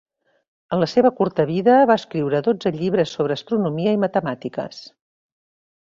En la seva curta vida va escriure dotze llibres sobre astronomia i matemàtiques.